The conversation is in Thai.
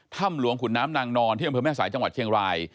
ถ้ำหลวงขุนน้ำนางนอนที่อำเภอแม่สายจังหวัดเชียงราย